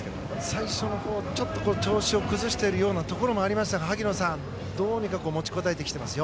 最初のほうちょっと調子を崩しているところもありましたが萩野さん、どうにか持ちこたえてきてますよ。